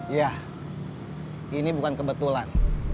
iya ini bukan kebetulan